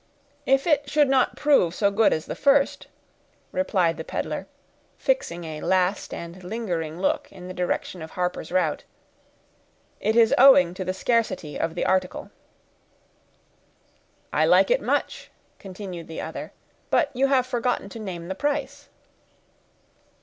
"If it should not prove so good as the first," replied the peddler, fixing a last and lingering look in the direction of Harper's route, "it is owing to the scarcity of the article." "I like it much," continued the other; "but you have forgotten to name the price."